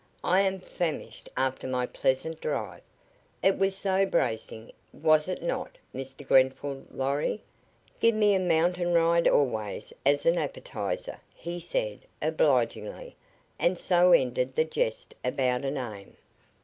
"I am famished after my pleasant drive. It was so bracing, was it not Mr. Grenfall Lorry?" "Give me a mountain ride always as an appetizer," he said, obligingly, and so ended the jest about a name.